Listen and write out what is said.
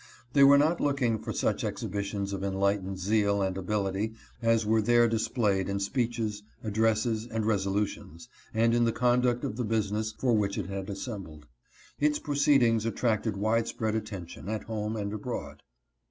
They were not looking for such ex hibitions of enlightened zeal and ability as were there dis played in speeches, addresses, and resolutions, and in the conduct of the business for which it had assembled. Its' proceedings attracted widespread attention at home and. abroad.